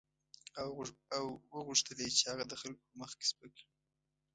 او وغوښتل یې چې هغه د خلکو په مخ کې سپک کړي.